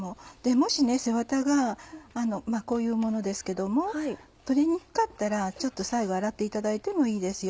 もし背ワタがこういうものですけども取りにくかったら最後洗っていただいてもいいですよ。